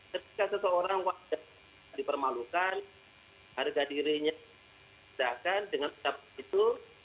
jika seseorang wajah dipermalukan harga dirinya sedakan dengan tetap begitu